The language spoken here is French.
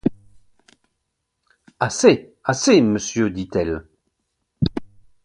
Assez ! assez ! monsieur, dit-elle.